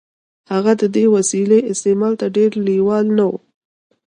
هغه د دې وسیلې استعمال ته ډېر لېوال نه و